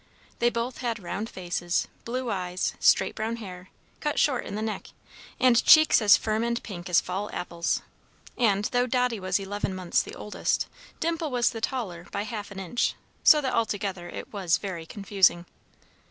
They both had round faces, blue eyes, straight brown hair, cut short in the neck, and cheeks as firm and pink as fall apples; and, though Dotty was eleven months the oldest, Dimple was the taller by half an inch, so that altogether it was very confusing.